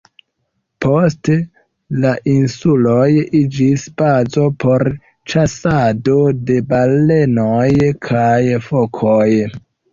Poste la insuloj iĝis bazo por ĉasado de balenoj kaj fokoj.